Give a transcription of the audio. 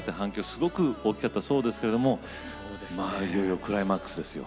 すごく大きかったそうですけれどもいよいよクライマックスですよ。